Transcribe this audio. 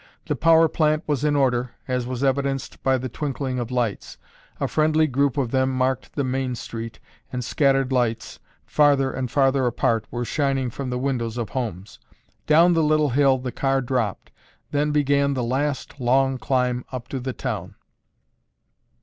The power plant was in order, as was evidenced by the twinkling of lights. A friendly group of them marked the main street, and scattered lights, farther and farther apart, were shining from the windows of homes. Down the little hill the car dropped, then began the last long climb up to the town.